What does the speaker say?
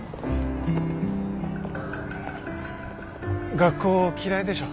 学校嫌いでしょ